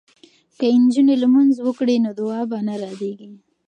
که نجونې لمونځ وکړي نو دعا به نه ردیږي.